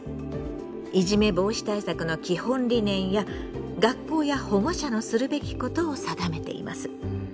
いじめ防止対策の基本理念や学校や保護者のするべきことを定めています。